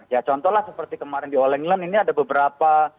ya contohlah seperti kemarin di all england ini ada beberapa